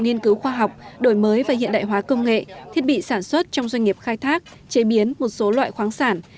nghiên cứu khoa học đổi mới và hiện đại hóa công nghệ thiết bị sản xuất trong doanh nghiệp khai thác chế biến một số loại khoáng sản